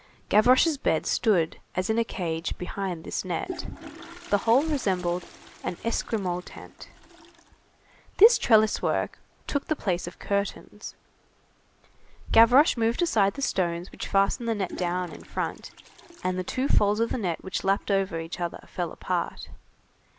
Gavroche's bed stood as in a cage, behind this net. The whole resembled an Esquimaux tent. This trellis work took the place of curtains. Gavroche moved aside the stones which fastened the net down in front, and the two folds of the net which lapped over each other fell apart.